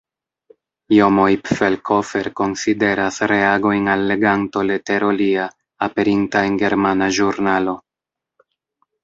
Jomo Ipfelkofer konsideras reagojn al leganto-letero lia, aperinta en germana ĵurnalo.